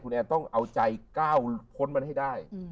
แอนต้องเอาใจก้าวพ้นมันให้ได้